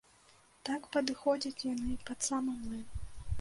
Так падыходзяць яны пад самы млын.